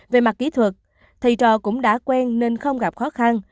về mặt kỹ thuật thầy trò cũng đã quen nên không gặp khó khăn